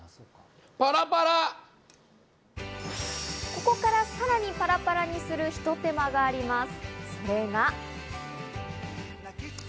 ここからさらにパラパラにする、ひと手間があります。